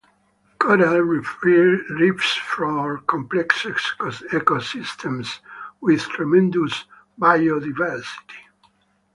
Coral reefs form complex ecosystems with tremendous biodiversity.